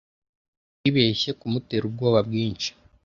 Wibeshye kumutera ubwoba bwinshi.